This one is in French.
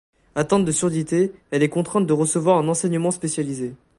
Atteinte de surdité, elle est contrainte de recevoir un enseignement spécialisé.